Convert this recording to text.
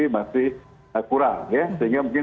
masih kurang ya sehingga mungkin